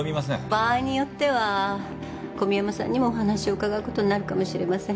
場合によっては小宮山さんにもお話を伺うことになるかもしれません。